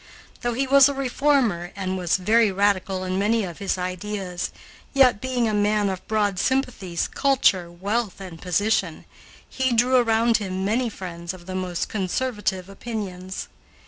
Though he was a reformer and was very radical in many of his ideas, yet, being a man of broad sympathies, culture, wealth, and position, he drew around him many friends of the most conservative opinions.